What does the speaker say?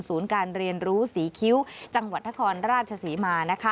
ศูนย์การเรียนรู้สีคิ้วจังหวัดทะคอนราชสีมา